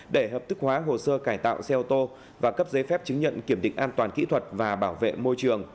để hợp thức hóa hồ sơ cải tạo xe ô tô và cấp giấy phép chứng nhận kiểm định an toàn kỹ thuật và bảo vệ môi trường